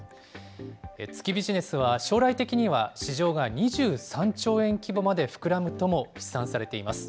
月ビジネスは将来的には市場が２３兆円規模まで膨らむとも試算されています。